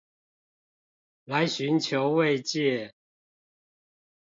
來尋求慰藉